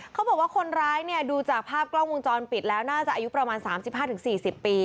เขาบอกว่าคนร้ายเนี่ยดูจากภาพกล้องวงจรปิดแล้วน่าจะอายุประมาณ๓๕๔๐ปี